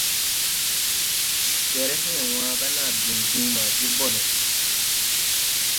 Gerhee wãã gà naa biŋ diŋ maa jo ɓone.